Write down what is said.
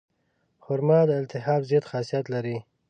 خرما د التهاب ضد خاصیت لري.